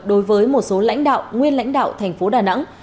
đối với một số lãnh đạo nguyên lãnh đạo thành phố đà nẵng